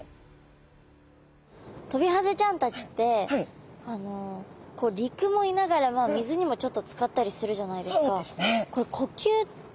トビハゼちゃんたちって陸もいながら水にもちょっとつかったりするじゃないですか。